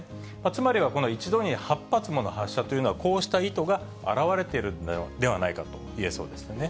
つまりはこの１度に８発もの発射というのは、こうした意図が表れているんではないかといえそうですね。